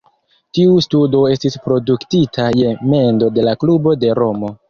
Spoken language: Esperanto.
Tiu studo estis produktita je mendo de la klubo de Romo.